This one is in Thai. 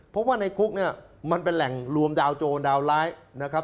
เพราะว่าในคุกเนี่ยมันเป็นแหล่งรวมดาวโจรดาวร้ายนะครับ